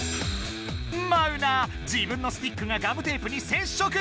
マウナ自分のスティックがガムテープにせっしょく！